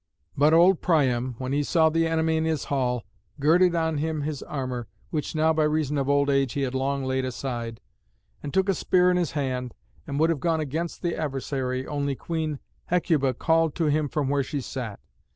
But old Priam, when he saw the enemy in his hall, girded on him his armour, which now by reason of old age he had long laid aside, and took a spear in his hand, and would have gone against the adversary, only Queen Hecuba called to him from where she sat.